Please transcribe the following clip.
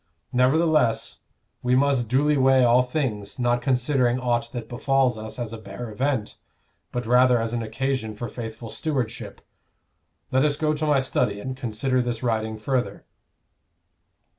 Nevertheless we must duly weigh all things, not considering aught that befalls us as a bare event, but rather as an occasion for faithful stewardship. Let us go to my study and consider this writing further."